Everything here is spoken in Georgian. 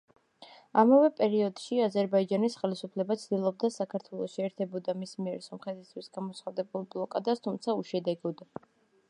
ამავე პერიოდში აზერბაიჯანის ხელისუფლება ცდილობდა საქართველო შეერთებოდა მის მიერ სომხეთისთვის გამოცხადებულ ბლოკადას, თუმცა უშედეგოდ.